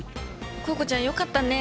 コウコちゃんよかったね。